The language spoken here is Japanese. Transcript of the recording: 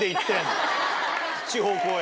地方公演。